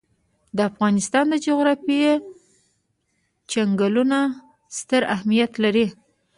د افغانستان جغرافیه کې چنګلونه ستر اهمیت لري.